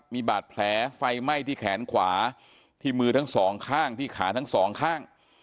มีบาดแผลไฟไหม้ที่แขนขวาที่มือทั้งสองข้างที่ขาทั้งสองข้าง